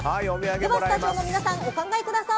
では、スタジオの皆さんお考えください。